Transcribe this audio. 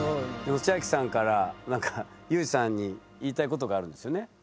千明さんから裕士さんに言いたいことがあるんですよね？